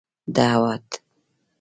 دعوت